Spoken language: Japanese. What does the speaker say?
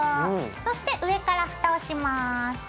そして上から蓋をします。